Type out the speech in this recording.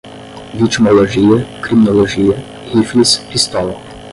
vitimologia, criminologia, rifles, pistola